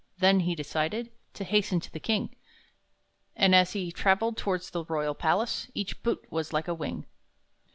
Then he decided To hasten to the king; And, as he traveled towards the royal palace, Each boot was like a wing.